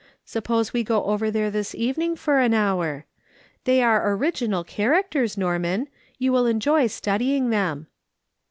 Suppose we go over there this evening for an hour ? They are original characters, Norman ; you will enjoy studying them.'